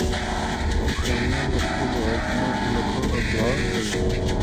دوکاندار د خپلو اجناسو لپاره دعا کوي.